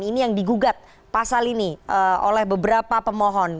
ini yang digugat pasal ini oleh beberapa pemohon